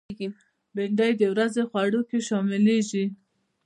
بېنډۍ د ورځې خوړو کې شاملېږي